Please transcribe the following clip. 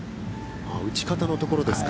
打ち方のところですか。